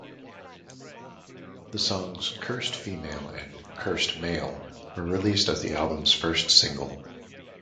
The songs "Cursed Female" and "Cursed Male" were released as the album's first single.